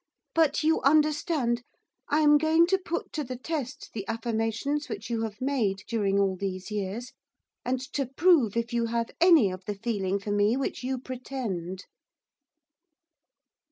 But, you understand, I am going to put to the test the affirmations which you have made during all these years, and to prove if you have any of the feeling for me which you pretend.